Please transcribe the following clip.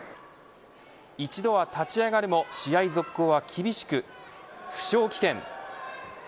一度は立ち上がるも試合続行は厳しく負傷棄権。